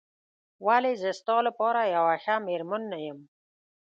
ولې زه ستا لپاره یوه ښه مېرمن نه یم؟